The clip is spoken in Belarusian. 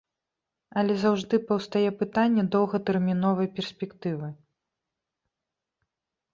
Але заўжды паўстае пытанне доўгатэрміновай перспектывы.